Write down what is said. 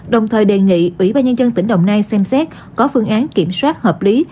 đồng thời đề nghị ủy ban nhân dân tp hcm xem xét có phương án kiểm soát hợp lý